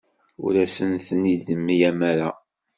Ur asen-ten-id-temlam ara.